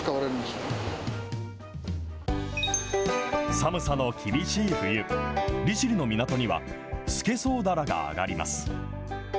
寒さの厳しい冬、利尻の港にはスケソウダラが揚がります。